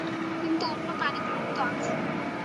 কিন্তু অন্য প্রাণীগুলোর তো আছে।